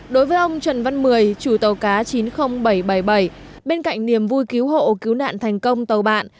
đối với ông trần văn mười chủ tàu cá chín mươi nghìn bảy trăm bảy mươi bảy bên cạnh niềm vui cứu hộ cứu nạn thành công tàu bạn